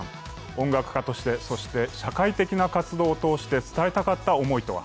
音楽家として、そして社会的な活動を通して伝えたかった思いとは。